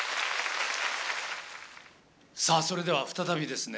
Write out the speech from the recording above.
さあ、それでは再びですね